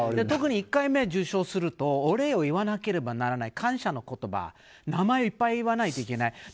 特に１回目受賞するとお礼を言わなければならない感謝の言葉名前をいっぱい言わないといけない。